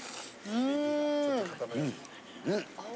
うん。